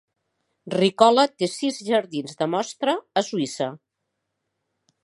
Ricola té sis jardins de mostra a Suïssa.